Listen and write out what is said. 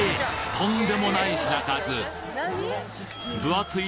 とんでもない品数分厚い